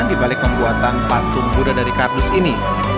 dibalik pembuatan patung buddha dari kardus ini